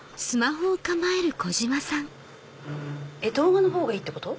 動画の方がいいってこと？